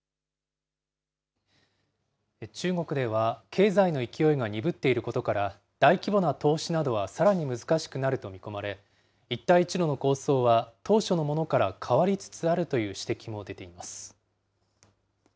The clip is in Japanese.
中国では、経済の勢いが鈍っていることから、大規模な投資などはさらに難しくなると見込まれ、一帯一路の構想は当初のものから変わりつつあるという指摘も出ています。